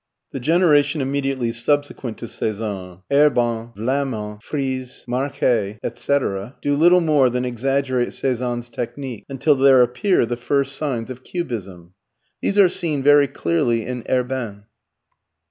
The generation immediately subsequent to Cezanne, Herbin, Vlaminck, Friesz, Marquet, etc., do little more than exaggerate Cezanne's technique, until there appear the first signs of Cubism. These are seen very clearly in Herbin.